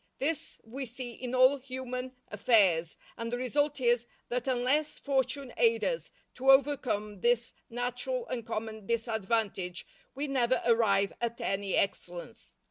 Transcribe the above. This we see in all human affairs, and the result is, that unless fortune aid us to overcome this natural and common disadvantage, we never arrive at any excellence.